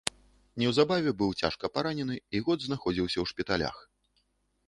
Неўзабаве быў цяжка паранены і год знаходзіўся ў шпіталях.